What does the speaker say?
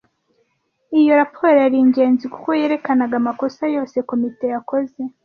Iyo raporo yari ingenzi kuko yerekanaga amakosa yose komite yakoze.